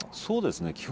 そうですね。